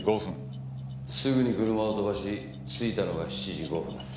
すぐに車を飛ばし着いたのが７時頃。